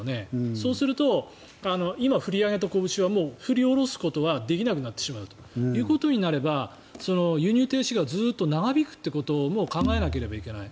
そうすると今、振り上げたこぶしはもう振り下ろすことはできなくなってしまうということになれば輸入停止がずっと長引くということも考えなければいけない。